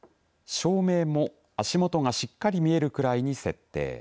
照明も足元がしっかり見えるくらいに設定。